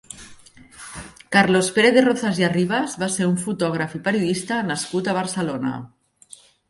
Carlos Pérez de Rozas i Arribas va ser un fotògraf i periodista nascut a Barcelona.